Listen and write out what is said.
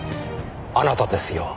あなたですよ。